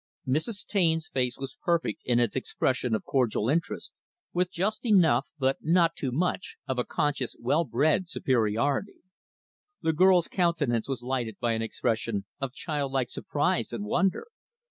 Mrs. Taine's face was perfect in its expression of cordial interest, with just enough but not too much of a conscious, well bred superiority. The girl's countenance was lighted by an expression of childlike surprise and wonder.